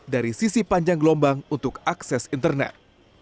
dari sisi panjang gelombang untuk akses internet